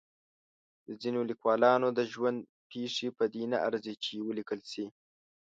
د ځینو لیکوالانو د ژوند پېښې په دې نه ارزي چې ولیکل شي.